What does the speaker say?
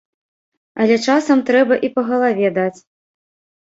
Але часам трэба і па галаве даць.